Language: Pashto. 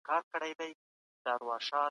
که ستا ژوند په خطر کي وای، تا به څه کول؟